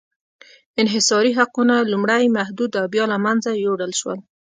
انحصاري حقونه لومړی محدود او بیا له منځه یووړل شول.